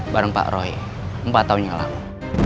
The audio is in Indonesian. bersama roy empat tahun yang lalu